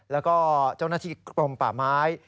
แล้วก็เจ้าหน้าที่กรมป่าไม้